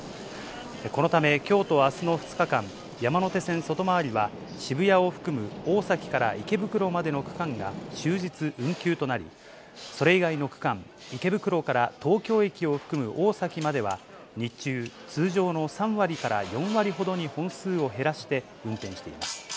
このため、きょうとあすの２日間、山手線外回りは渋谷を含む大崎から池袋までの区間が終日運休となり、それ以外の区間、池袋から東京駅を含む大崎までは、日中、通常の３割から４割ほどに本数を減らして運転しています。